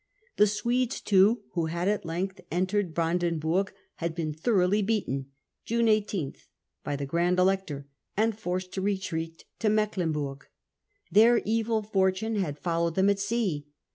The Swedes too, who had at length September entered Brandenburg, had been thoroughly *675 beaten (June 18) by the Grand Elector, and forced to retreat to Mecklenburg. Their evil fortune had followed them at sea.